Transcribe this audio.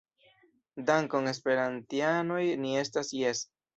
Dankon, esperantianoj ni estas Jes